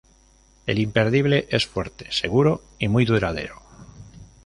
El imperdible es fuerte, seguro y muy duradero.